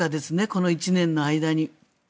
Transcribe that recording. この１年の間に。